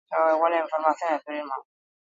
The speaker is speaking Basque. Oso ondo eramaten dut bakardadea ilundu bitartean.